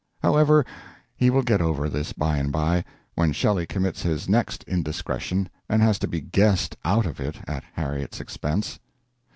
However, he will get over this by and by, when Shelley commits his next indiscretion and has to be guessed out of it at Harriet's expense.